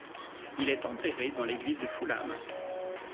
Il est enterré dans l'église de Fulham.